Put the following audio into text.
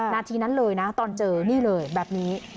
นาทีนั้นเลยนะตอนเจอนี่เลยแบบนี้